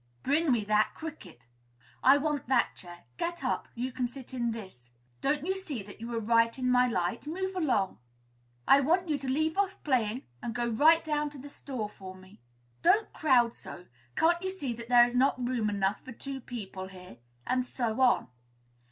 "Bring me that cricket." "I want that chair; get up. You can sit in this." "Don't you see that you are right in my light? Move along." "I want you to leave off playing, and go right down to the store for me." "Don't crowd so. Can't you see that there is not room enough for two people here?" and so on.